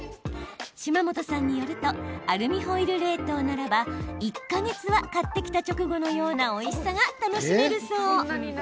島本さんによるとアルミホイル冷凍ならば１か月は買ってきた直後のようなおいしさが楽しめるそう。